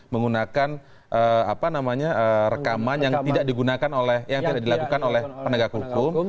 menggunakan rekaman yang tidak digunakan oleh yang tidak dilakukan oleh penegak hukum